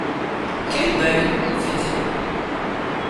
Quel bahut ? feit-elle.